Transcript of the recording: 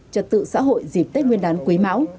trật tự xã hội dịp tết nguyên đán quý mão